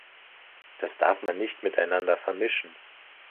Das darf man nicht miteinander vermischen.